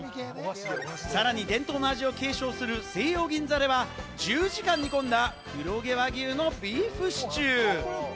さらに伝統の味を継承する西洋銀座では１０時間煮込んだ、黒毛和牛のビーフシチュー。